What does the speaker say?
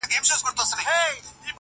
اوس مي لا په هر رگ كي خـوره نـــه ده.